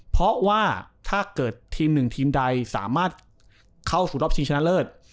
เพราะว่าถ้าเกิดทีมหนึ่งทีมใดสามารถเข้าสู่รอบชิงชนะเลิศ